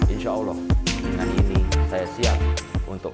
insya allah dengan ini saya siap untuk